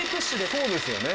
そうですよね。